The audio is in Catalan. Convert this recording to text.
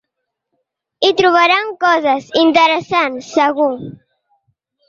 Hi trobaran coses interessants, segur.